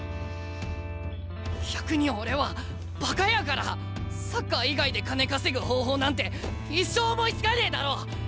逆に俺はバカやからサッカー以外で金稼ぐ方法なんて一生思いつかねえだろう。